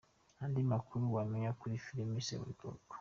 Andi makuru wamenya kuri filime Seburikoko.